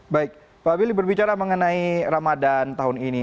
baik pak billy berbicara mengenai ramadan tahun ini